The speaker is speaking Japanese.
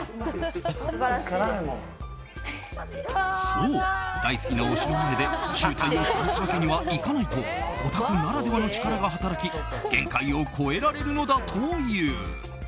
そう、大好きな推しの前で醜態をさらすわけにはいかないとオタクならではの力が働き限界を超えられるのだという。